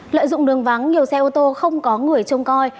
lợi dụng đường vắng nhiều xe ô tô không có người trông coi